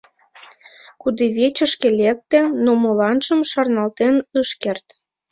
Кудывечышке лекте, но моланжым шарналтен ыш керт.